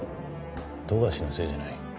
富樫のせいじゃない。